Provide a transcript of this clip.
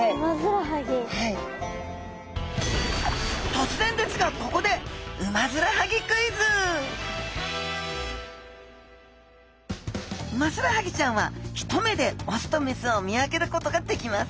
とつぜんですがここでウマヅラハギちゃんは一目で雄と雌を見分けることができます。